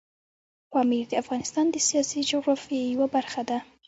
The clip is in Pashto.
پامیر د افغانستان د سیاسي جغرافیې یوه برخه ده.